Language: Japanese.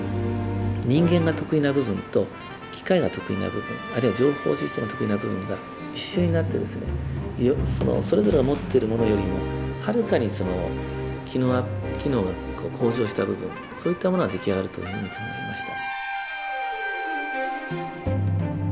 人間が得意な部分と機械が得意な部分あるいは情報システムが得意な部分が一緒になってそれぞれが持っているものよりもはるかに機能が向上した部分そういったものが出来上がるというふうに考えました。